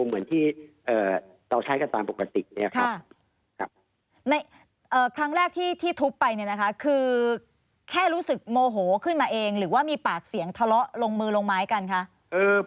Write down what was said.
เหมือนที่เราใช้กันปกติเนี่ยครับ